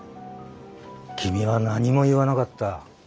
君は何も言わなかった。